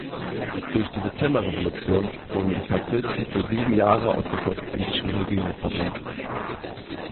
Durch die Septemberrevolution wurden die Cartisten für sieben Jahre aus der portugiesischen Regierung verdrängt.